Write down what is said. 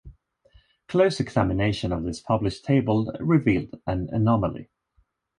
Close examination of this published table revealed an anomaly.